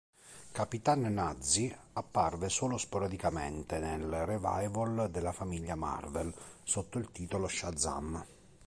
Capitan Nazi apparve solo sporadicamente nel revival della Famiglia Marvel sotto il titolo "Shazam!